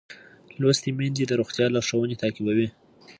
لوستې میندې د روغتیا لارښوونې تعقیبوي.